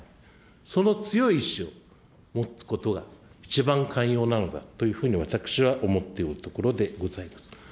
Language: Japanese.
その強い意志を持つことが一番肝要なのだというふうに私は思っておるところでございます。